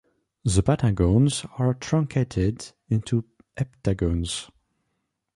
The pentagons are truncated into heptagons.